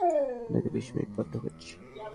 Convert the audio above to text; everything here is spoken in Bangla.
আপনাকে বিশ মিনিট পর ঢুকাচ্ছি।